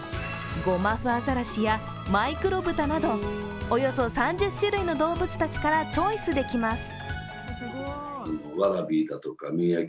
ゴマフアザラシやマイクロブタなどおよそ３０種類の動物たちからチョイスできます。